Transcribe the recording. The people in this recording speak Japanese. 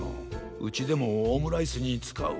うちでもオムライスにつかう。